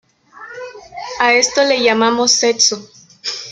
A esto le llamamos "sexo".